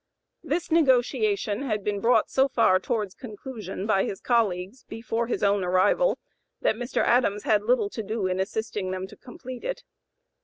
This negotiation had been brought so far towards conclusion by his colleagues before his own arrival that Mr. Adams had little to do in assisting them to complete it.